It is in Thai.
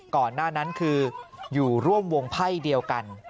ก่อนหน้านั้นคืออยู่ร่วมวงไพ่เดียวกัน